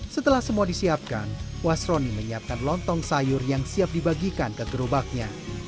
setelah semua disiapkan wasroni menyiapkan lontong sayur yang siap dibagikan ke gerobaknya